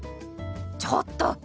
ちょっと！